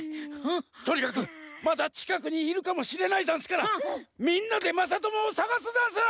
とにかくまだちかくにいるかもしれないざんすからみんなでまさともをさがすざんす！